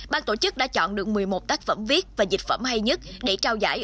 ban tổ chức đã chọn được một mươi một tác phẩm viết và dịch phẩm hay nhất để trao giải